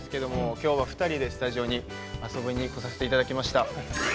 きょうは２人でスタジオに遊びに来させていただきました。